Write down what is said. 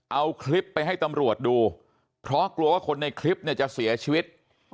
เอาคลิปไปให้ตำรวจดูเพราะกลัวว่าคนในคลิปเนี่ยจะเสียชีวิต